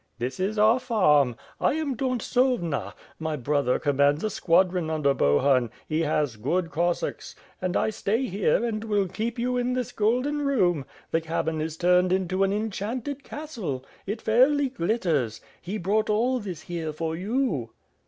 '^ "This is our farm. I am Dontsovna; my brother com mands a squadron under Bohun; he has good Cossacks. And I stay here, and will keep you in this golden room. The cabin is turned into an enchanted castle. It fairly glitters. He brought all this here for you."